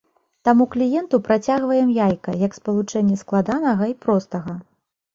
Таму кліенту працягваем яйка як спалучэнне складанага і простага.